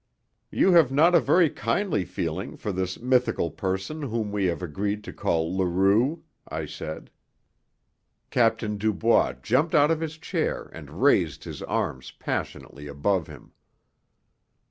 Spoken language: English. "You have not a very kindly feeling for this mythical person whom we have agreed to call Leroux," I said. Captain Dubois jumped out of his chair and raised his arms passionately above him.